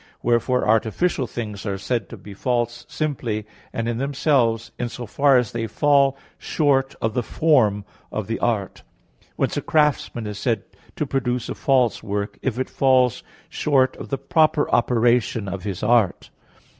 Wherefore artificial things are said to be false simply and in themselves, in so far as they fall short of the form of the art; whence a craftsman is said to produce a false work, if it falls short of the proper operation of his art.